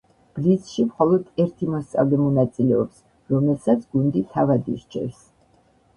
ბლიცში მხოლოდ ერთი მოსწავლე მონაწილეობს, რომელსაც გუნდი თავად ირჩევს.